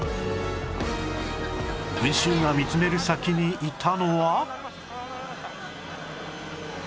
群衆が見つめる先にいたのは